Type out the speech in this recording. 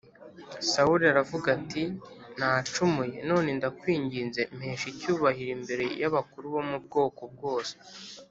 Sawuli aravuga ati nacumuye None ndakwinginze mpesha icyubahiro imbere y abakuru bo mu bwoko bwose